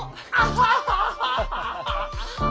ハハハハ。